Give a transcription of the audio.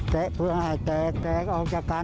แซะเพื่ออะไรแซะแซะออกจากกัน